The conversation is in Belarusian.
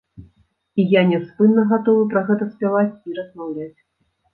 І я няспынна гатовы пра гэта спяваць, і размаўляць.